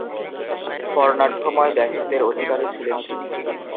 বর্ণাঢ্যময় ব্যক্তিত্বের অধিকারী ছিলেন তিনি।